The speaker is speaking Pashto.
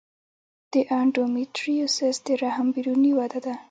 د انډومیټریوسس د رحم بیروني وده ده.